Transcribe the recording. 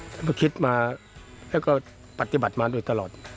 เราคิดมาและปฏิบัติมาตลอด